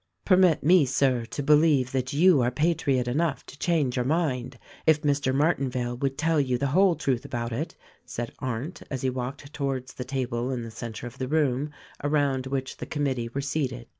"Permit me, Sir, to believe that you are patriot enough to change your mind if Mr. Martinvale would tell you the whole truth about it," said Arndt as he walked towards the table in the center of the room around which the commit tee were seated.